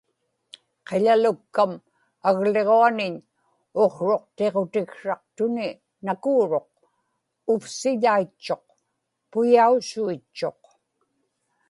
qiḷalukkam agliġuaniñ uqsruqtiġutiksraqtuni nakuuruq, uvsiḷaitchuq, puyausuitchuq